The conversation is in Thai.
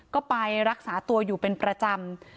ก็ไปรักษาตัวอยู่เป็นประจำ